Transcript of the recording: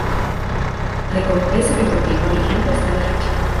Recompensa que continúa vigente hasta la fecha.